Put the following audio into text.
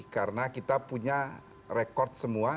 karena kita punya rekod semua